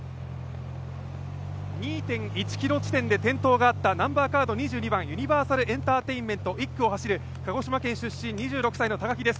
２．１ｋｍ地点で転倒があったユニバーサルエンターテインメント、１区を走る鹿児島県出身、２６歳の高木です。